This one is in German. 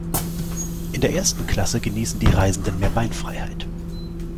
In der ersten Klasse genießen die Reisenden mehr Beinfreiheit.